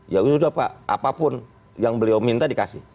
ya udah pak apapun yang beliau minta dikasih